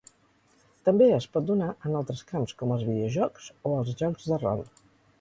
També es pot donar en altres camps com els videojocs o els jocs de rol.